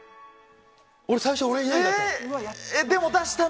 俺最初、俺いないだった。